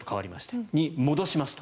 そこに戻しますと。